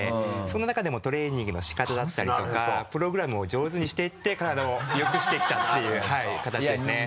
その中でもトレーニングの仕方だったりとかプログラムを上手にしていって体をよくしてきたっていうかたちですね。